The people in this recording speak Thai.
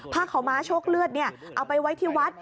พาเขามาช่วงเลือดเอาไปไว้ที่วัด